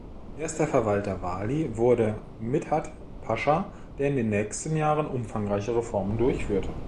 Erster Verwalter, Wali, wurde Midhat Pascha, der in den nächsten Jahren umfangreiche Reformen durchführte.